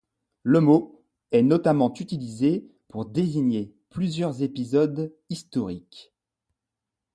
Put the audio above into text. Le mot est notamment utilisé pour désigner plusieurs épisodes historiques.